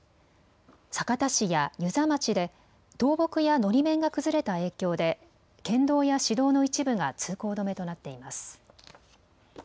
酒田市や遊佐町で倒木やのり面が崩れた影響で県道や市道の一部が通行止めとなっています。